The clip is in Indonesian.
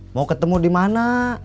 mau ketemu dimana